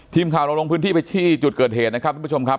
ทีมข่าวเราลงพื้นที่ไปที่จุดเกิดเหตุนะครับทุกผู้ชมครับ